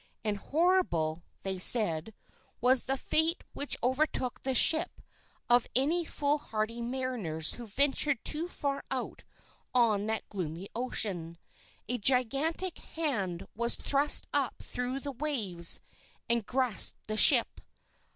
And horrible, they said, was the fate which overtook the ship of any foolhardy mariners who ventured too far out on that gloomy ocean. A gigantic hand was thrust up through the waves, and grasped the ship.